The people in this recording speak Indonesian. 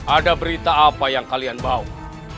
ada berita apa yang kalian bawa